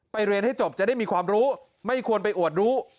เรียนให้จบจะได้มีความรู้ไม่ควรไปอวดรู้